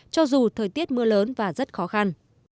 cho dù thời tiết mưa lớn và rất khó khăn